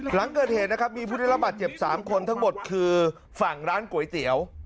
หลังเกิดเหตุนะครับมีผู้ได้รับบาดเจ็บ๓คนทั้งหมดคือฝั่งร้านก๋วยเตี๋ยว